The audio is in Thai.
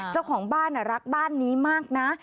เจ้าของบ้านรักบ้านนี้มากนะ